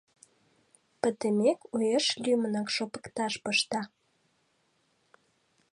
Пытымек, уэш лӱмынак шопыкташ пышта.